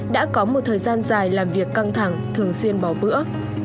đã có một thời gian dài làm việc căng thẳng thường xuyên bỏ bữa